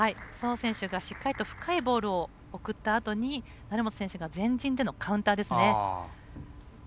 宋選手がしっかりと深いボールを送ったあと成本選手が前陣でのカウンターですね。